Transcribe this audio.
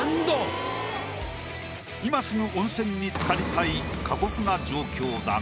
今すぐ温泉につかりたい過酷な状況だが。